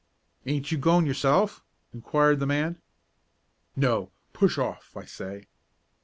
"Aint you goin' yourself?" inquired the man. "No; push off, I say!"